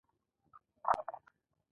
له هزاره لږکیو سره روغنيتۍ له مخې.